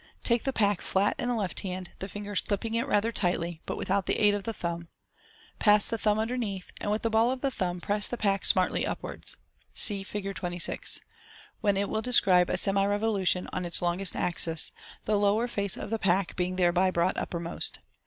Take the pack flat in the left hand, the fingers clipping it rather tightly, but without the aid of the thumb. Pass the thumb underneath, and with the ball of the thumb press the pack smartly upwards (see Fig. 26), when it will describe a semi revolution on its longer axis, the lower face of the pack being thereby brought uppermost.